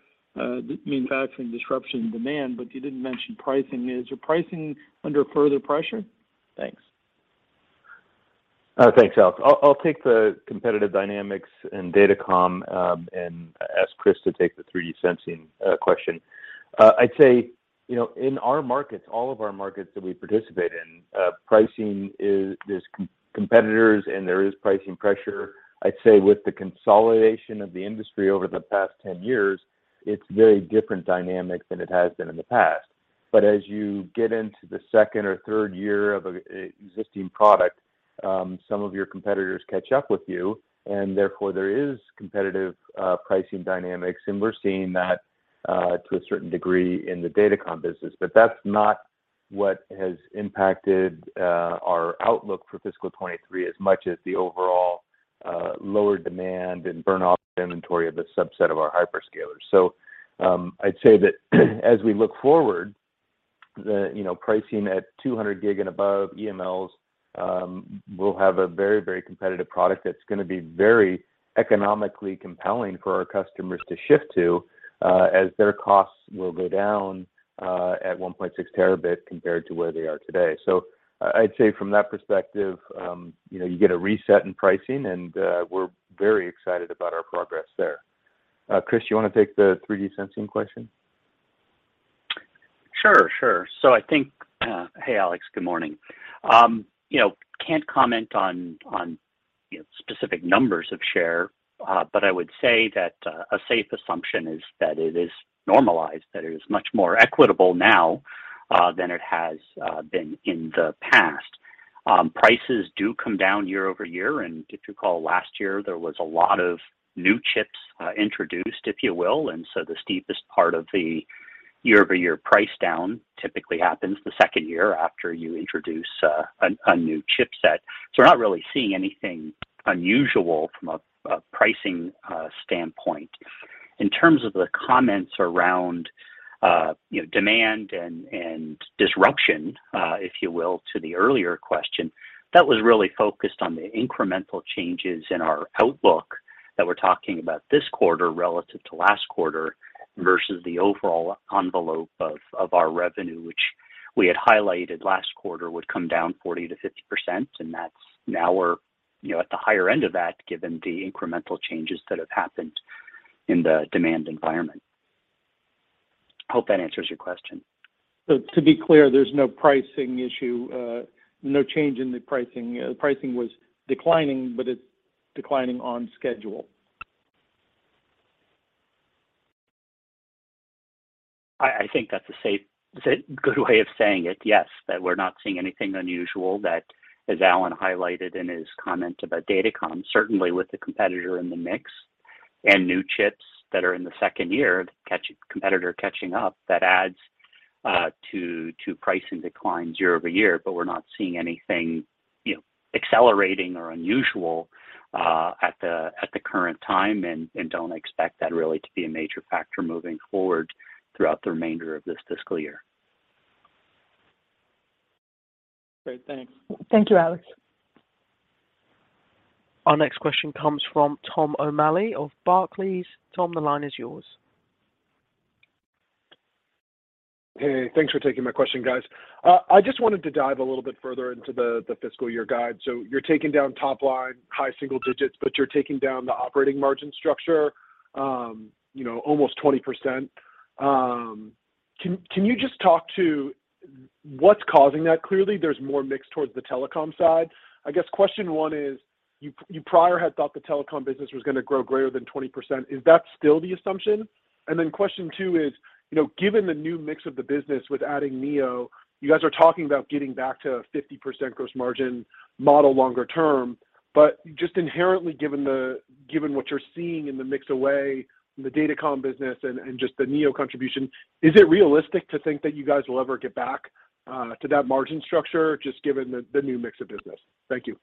manufacturing disruption demand, but you didn't mention pricing. Is your pricing under further pressure? Thanks. Thanks, Alex. I'll take the competitive dynamics and datacom, and ask Chris to take the 3D sensing question. I'd say, you know, in our markets, all of our markets that we participate in, pricing is, there's competitors, and there is pricing pressure. I'd say with the consolidation of the industry over the past 10 years, it's very different dynamic than it has been in the past. As you get into the second or third year of a existing product, some of your competitors catch up with you, and therefore there is competitive pricing dynamics. We're seeing that to a certain degree in the datacom business. That's not what has impacted our outlook for fiscal 2023 as much as the overall lower demand and burn off inventory of a subset of our hyperscalers. I'd say that as we look forward, the you know pricing at 200 gig and above EMLs will have a very, very competitive product that's gonna be very economically compelling for our customers to shift to, as their costs will go down at 1.6TB compared to where they are today. I'd say from that perspective, you know, you get a reset in pricing, and we're very excited about our progress there. Chris, you wanna take the 3D sensing question? Sure, sure. I think... Hey, Alex. Good morning. You know, can't comment on, you know, specific numbers of share, but I would say that a safe assumption is that it is normalized, that it is much more equitable now than it has been in the past. Prices do come down year-over-year, and if you recall last year, there was a lot of new chips introduced, if you will. The steepest part of the year-over-year price down typically happens the second year after you introduce a new chipset. We're not really seeing anything unusual from a pricing standpoint. In terms of the comments around, you know, demand and disruption, if you will, to the earlier question, that was really focused on the incremental changes in our outlook that we're talking about this quarter relative to last quarter versus the overall envelope of our revenue, which we had highlighted last quarter would come down 40%-50%. That's now, you know, we're at the higher end of that, given the incremental changes that have happened in the demand environment. Hope that answers your question. To be clear, there's no pricing issue, no change in the pricing. Pricing was declining, but it's declining on schedule. I think that's a safe, is, it, good way of saying it, yes, that we're not seeing anything unusual that as Alan highlighted in his comment about Datacom, certainly with the competitor in the mix and new chips that are in the second year of competitor catching up, that adds to pricing declines year-over-year. We're not seeing anything, you know, accelerating or unusual, at the current time and don't expect that really to be a major factor moving forward throughout the remainder of this fiscal year. Great. Thanks. Thank you, Alex. Our next question comes from Tom O'Malley of Barclays. Tom, the line is yours. Hey, thanks for taking my question, guys. I just wanted to dive a little bit further into the fiscal year guide. So you're taking down top line high single-digit percent, but you're taking down the operating margin structure, you know, almost 20%. Can you just talk to what's causing that? Clearly, there's more mix towards the telecom side. I guess question one is, you prior had thought the telecom business was gonna grow greater than 20%. Is that still the assumption? Question two is, you know, given the new mix of the business with adding NeoPhotonics, you guys are talking about getting back to a 50% gross margin model longer term. Just inherently given what you're seeing in the mix, the way in the Datacom business and just the NeoPhotonics contribution, is it realistic to think that you guys will ever get back to that margin structure just given the new mix of business? Thank you.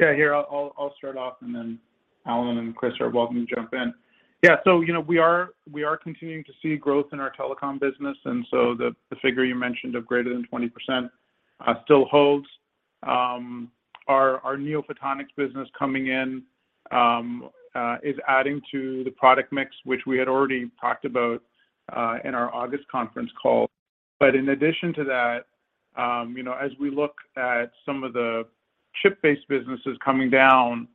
Yeah. Here, I'll start off and then Alan and Chris are welcome to jump in. Yeah. You know, we are continuing to see growth in our telecom business, and so the figure you mentioned of greater than 20% still holds. Our NeoPhotonics business coming in, is adding to the product mix which we had already talked about in our August conference call. In addition to that, you know, as we look at some of the chip-based businesses coming down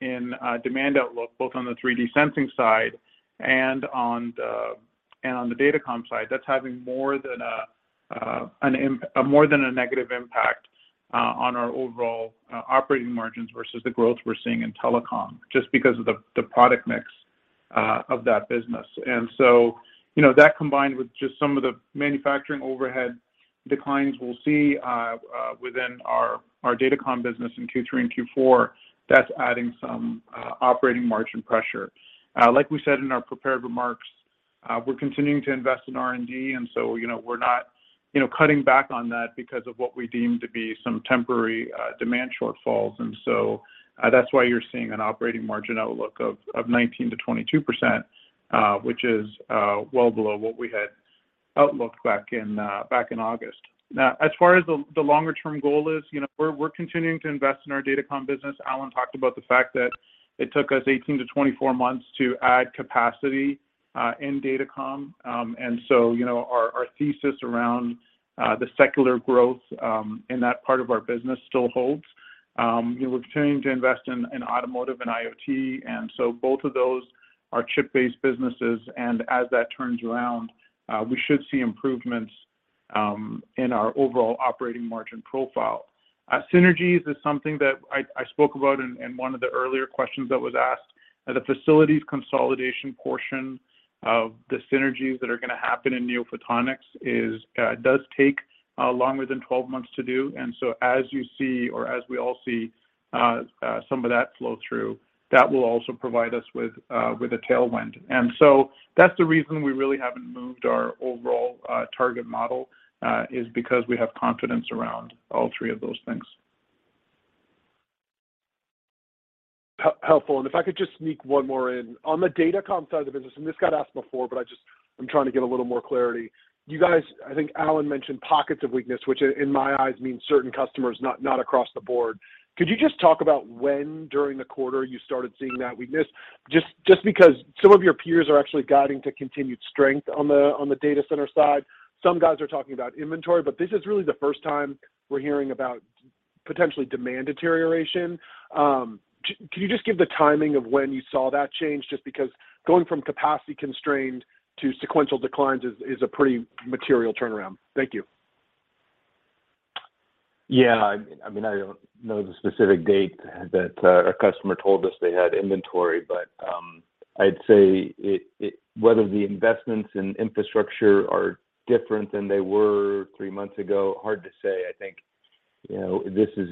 in demand outlook, both on the 3D sensing side and on the Datacom side, that's having more than a negative impact on our overall operating margins versus the growth we're seeing in telecom, just because of the product mix of that business. You know, that combined with just some of the manufacturing overhead declines we'll see within our Datacom business in Q3 and Q4, that's adding some operating margin pressure. Like we said in our prepared remarks, we're continuing to invest in R&D, and so, you know, we're not, you know, cutting back on that because of what we deem to be some temporary demand shortfalls. That's why you're seeing an operating margin outlook of 19%-22%, which is well below what we had outlooked back in August. Now, as far as the longer term goal is, you know, we're continuing to invest in our Datacom business. Alan talked about the fact that it took us 18-24 months to add capacity in Datacom. You know, our thesis around the secular growth in that part of our business still holds. You know, we're continuing to invest in automotive and IoT, and so both of those are chip-based businesses, and as that turns around, we should see improvements in our overall operating margin profile. Synergies is something that I spoke about in one of the earlier questions that was asked. The facilities consolidation portion of the synergies that are gonna happen in NeoPhotonics does take longer than 12 months to do. As you see, or as we all see, some of that flow through, that will also provide us with a tailwind. That's the reason we really haven't moved our overall target model, is because we have confidence around all three of those things. Helpful. If I could just sneak one more in. On the Datacom side of the business, this got asked before, but I'm trying to get a little more clarity. You guys, I think Alan mentioned pockets of weakness, which in my eyes means certain customers, not across the board. Could you just talk about when during the quarter you started seeing that weakness? Just because some of your peers are actually guiding to continued strength on the data center side. Some guys are talking about inventory, but this is really the first time we're hearing about potentially demand deterioration. Can you just give the timing of when you saw that change, just because going from capacity constrained to sequential declines is a pretty material turnaround. Thank you. Yeah. I mean, I don't know the specific date that a customer told us they had inventory, but I'd say whether the investments in infrastructure are different than they were three months ago. Hard to say. I think, you know, this is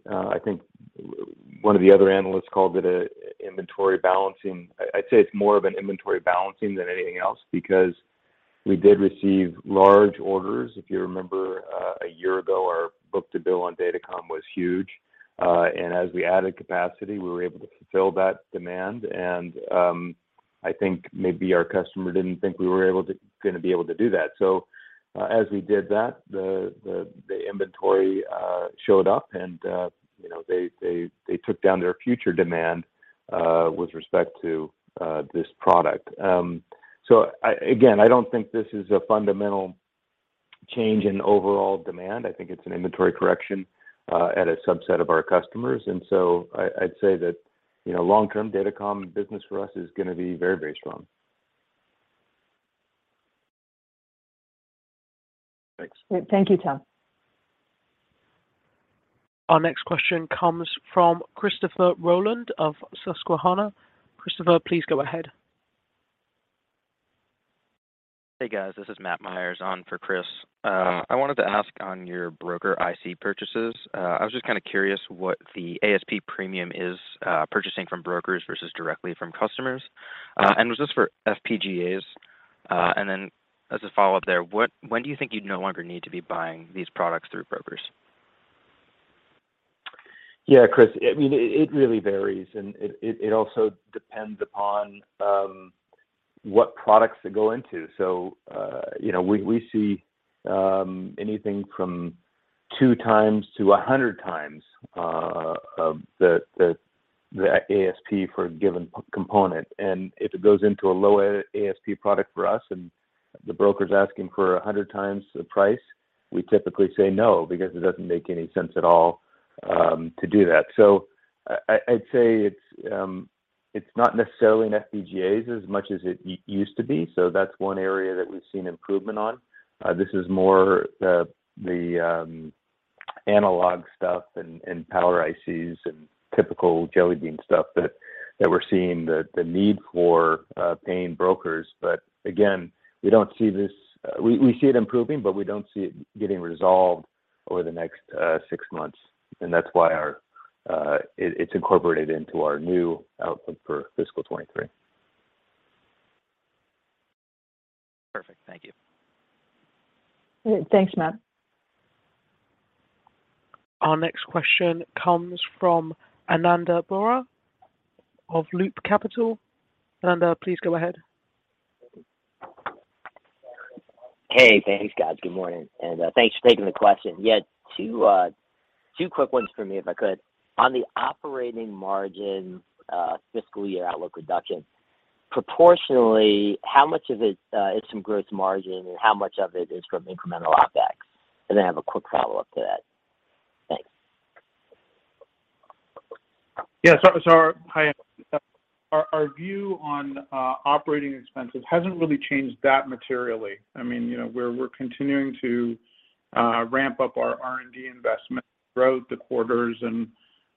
what one of the other analysts called it, an inventory balancing. I'd say it's more of an inventory balancing than anything else because we did receive large orders. If you remember, a year ago, our book-to-bill on Datacom was huge. As we added capacity, we were able to fulfill that demand and I think maybe our customer didn't think we were gonna be able to do that. As we did that, the inventory showed up and, you know, they took down their future demand with respect to this product. Again, I don't think this is a fundamental change in overall demand. I think it's an inventory correction at a subset of our customers. I'd say that, you know, long-term Datacom business for us is gonna be very, very strong. Thanks. Thank you, Tom. Our next question comes from Christopher Rolland of Susquehanna. Christopher, please go ahead. Hey, guys. This is Matt Myers on for Chris. I wanted to ask on your brokered IC purchases. I was just kind of curious what the ASP premium is purchasing from brokers versus directly from customers. And was this for FPGAs? And then as a follow-up there, when do you think you'd no longer need to be buying these products through brokers? Yeah, Chris. I mean, it really varies and it also depends upon what products they go into. You know, we see anything from 2x-100x of the ASP for a given component. If it goes into a low-end ASP product for us and the brokers are asking for 100x the price, we typically say no because it doesn't make any sense at all to do that. I'd say it's not necessarily in FPGAs as much as it used to be. That's one area that we've seen improvement on. This is more the analog stuff and power ICs and typical jellybean stuff that we're seeing the need for paying brokers. Again, we don't see this. We see it improving, but we don't see it getting resolved over the next six months. That's why it's incorporated into our new outlook for fiscal 2023. Perfect. Thank you. Thanks, Matt. Our next question comes from Ananda Baruah of Loop Capital. Ananda, please go ahead. Hey. Thanks, guys. Good morning. Thanks for taking the question. Yeah. Two, two quick ones for me, if I could. On the operating margin, fiscal year outlook reduction, proportionally, how much of it is from gross margin, and how much of it is from incremental OpEx? I have a quick follow-up to that. Thanks. Our view on operating expenses hasn't really changed that materially. I mean, you know, we're continuing to ramp up our R&D investment throughout the quarters, and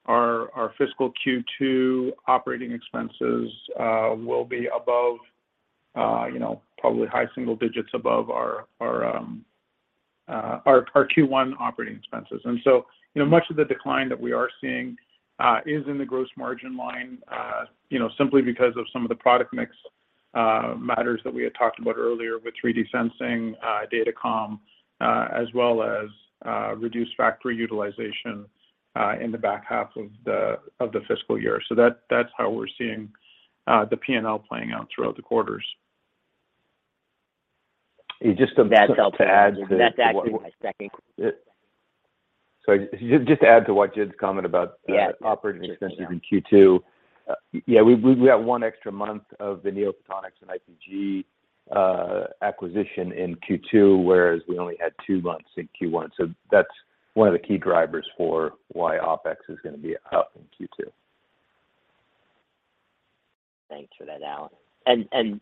our fiscal Q2 operating expenses will be above, you know, probably high single digits above our Q1 operating expenses. You know, much of the decline that we are seeing is in the gross margin line, you know, simply because of some of the product mix matters that we had talked about earlier with 3D sensing, Datacom, as well as reduced factory utilization in the back half of the fiscal year. That's how we're seeing the P&L playing out throughout the quarters. And just to. That's helpful. To add to that. That's actually my second question. Sorry. Just to add to what Wajid's comment about. Yeah. Operating expenses in Q2. We have one extra month of the NeoPhotonics and IPG Photonics acquisition in Q2, whereas we only had two months in Q1. That's one of the key drivers for why OpEx is gonna be up in Q2. Thanks for that, Alan.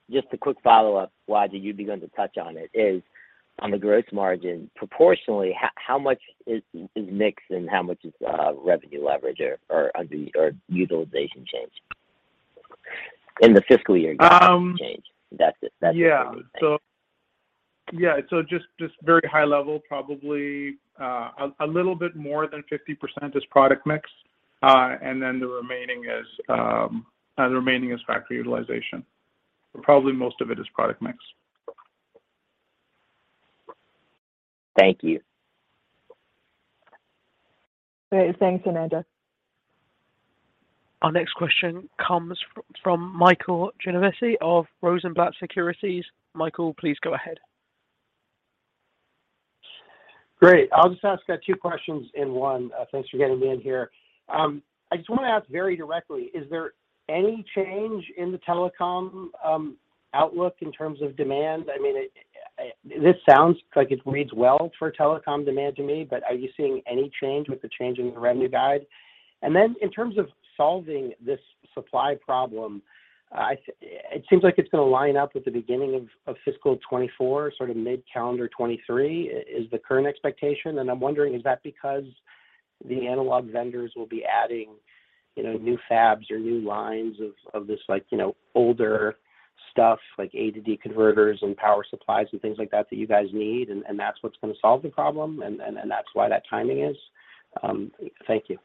Just a quick follow-up, while you began to touch on it, is on the gross margin, proportionally how much is mix and how much is revenue leverage or utilization change in the fiscal year? Um. Gross margin change? That's it. That's it. Just very high level, probably a little bit more than 50% is product mix, and then the remaining is factory utilization. Probably most of it is product mix. Thank you. Great. Thanks, Ananda. Our next question comes from Michael Genovese of Rosenblatt Securities. Michael, please go ahead. Great. I'll just ask two questions in one. Thanks for getting me in here. I just wanna ask very directly, is there any change in the telecom outlook in terms of demand? I mean, this sounds like it reads well for telecom demand to me, but are you seeing any change with the change in the revenue guide? Then in terms of solving this supply problem, it seems like it's gonna line up with the beginning of fiscal 2024, sort of mid-calendar 2023 is the current expectation. I'm wondering, is that because the analog vendors will be adding, you know, new fabs or new lines of this like, you know, older stuff like A2D converters and power supplies and things like that that you guys need, and that's what's gonna solve the problem, and that's why that timing is? Thank you.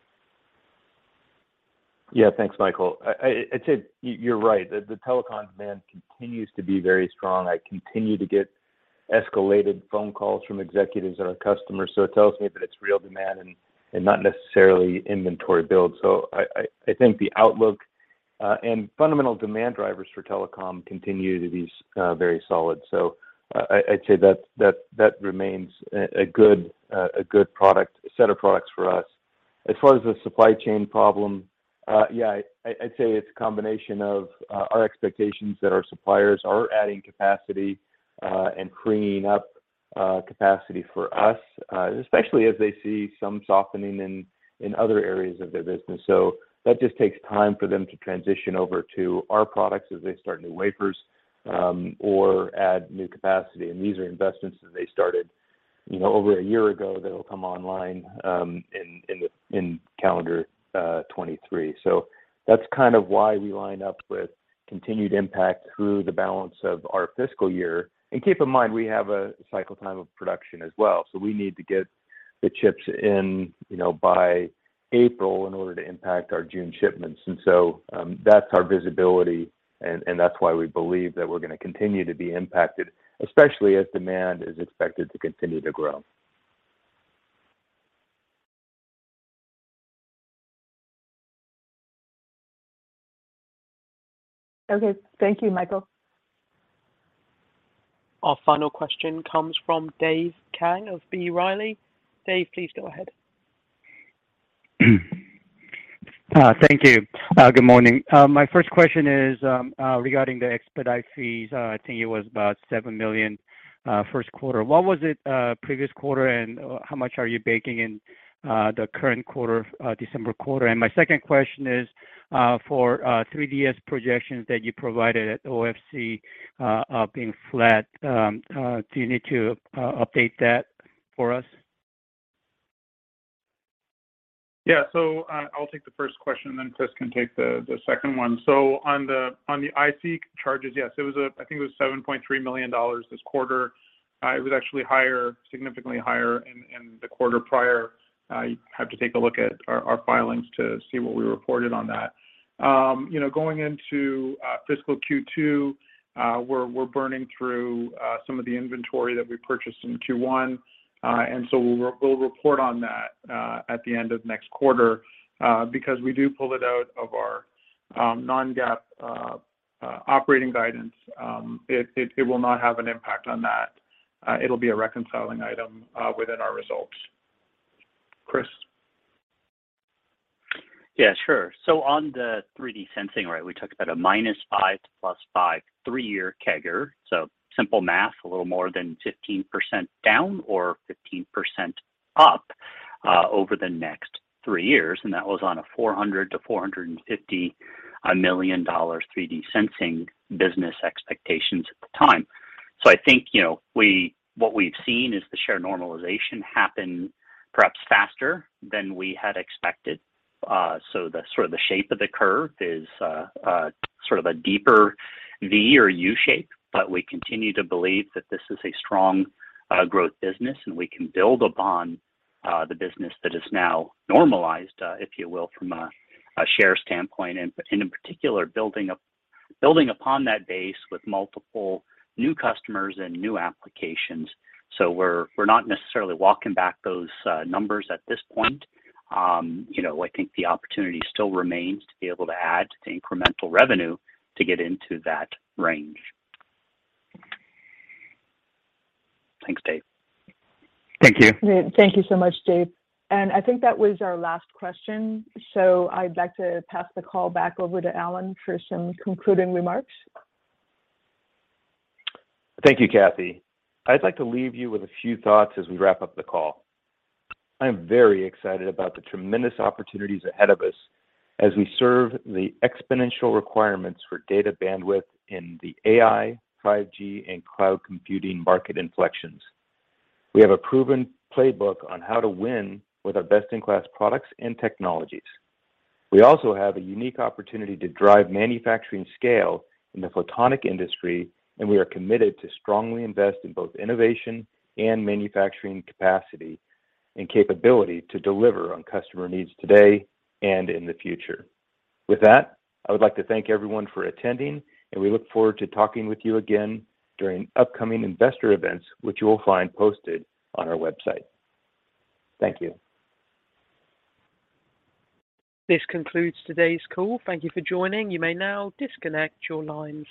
Yeah. Thanks, Michael. I'd say you're right. Telecom demand continues to be very strong. I continue to get escalated phone calls from executives that are customers, so it tells me that it's real demand and not necessarily inventory build. I think the outlook and fundamental demand drivers for telecom continue to be very solid. I'd say that remains a good set of products for us. As far as the supply chain problem, yeah, I'd say it's a combination of our expectations that our suppliers are adding capacity and freeing up capacity for us, especially as they see some softening in other areas of their business. That just takes time for them to transition over to our products as they start new wafers, or add new capacity. These are investments that they started, you know, over a year ago that'll come online in calendar 2023. That's kind of why we line up with continued impact through the balance of our fiscal year. Keep in mind we have a cycle time of production as well, so we need to get the chips in, you know, by April in order to impact our June shipments. That's our visibility and that's why we believe that we're gonna continue to be impacted, especially as demand is expected to continue to grow. Okay. Thank you, Michael. Our final question comes from Dave Kang of B. Riley. Dave, please go ahead. Thank you. Good morning. My first question is regarding the expedite fees. I think it was about $7 million first quarter. What was it previous quarter, and how much are you baking in the current quarter, December quarter? My second question is for 3DS projections that you provided at OFC being flat. Do you need to update that for us? I'll take the first question, then Chris can take the second one. On the IC charges, yes, it was, I think, $7.3 million this quarter. It was actually higher, significantly higher in the quarter prior. You have to take a look at our filings to see what we reported on that. You know, going into fiscal Q2, we're burning through some of the inventory that we purchased in Q1. And so we'll report on that at the end of next quarter, because we do pull it out of our non-GAAP operating guidance. It will not have an impact on that. It'll be a reconciling item, within our results. Chris? Yeah, sure. On the 3D sensing, right, we talked about a -5% to +5% three-year CAGR. Simple math, a little more than 15% down or 15% up over the next three years, and that was on a $400 million-$450 million 3D sensing business expectations at the time. I think, you know, what we've seen is the share normalization happen perhaps faster than we had expected. The shape of the curve is sort of a deeper V or U shape. We continue to believe that this is a strong growth business, and we can build upon the business that is now normalized, if you will, from a share standpoint, and in particular, building upon that base with multiple new customers and new applications. We're not necessarily walking back those numbers at this point. You know, I think the opportunity still remains to be able to add to the incremental revenue to get into that range. Thanks, Dave. Thank you. Thank you so much, Dave. I think that was our last question. I'd like to pass the call back over to Alan for some concluding remarks. Thank you, Kathy. I'd like to leave you with a few thoughts as we wrap up the call. I'm very excited about the tremendous opportunities ahead of us as we serve the exponential requirements for data bandwidth in the AI, 5G, and cloud computing market inflections. We have a proven playbook on how to win with our best-in-class products and technologies. We also have a unique opportunity to drive manufacturing scale in the photonic industry, and we are committed to strongly invest in both innovation and manufacturing capacity and capability to deliver on customer needs today and in the future. With that, I would like to thank everyone for attending, and we look forward to talking with you again during upcoming investor events, which you will find posted on our website. Thank you. This concludes today's call. Thank you for joining. You may now disconnect your lines.